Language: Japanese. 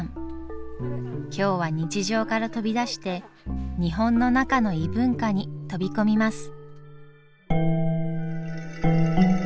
今日は日常から飛び出して日本の中の異文化に飛び込みます。